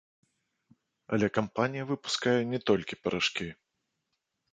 Але кампанія выпускае не толькі парашкі.